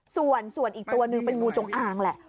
ส่วนอีกตัวหนึ่งเป็นงูจงอางแหละ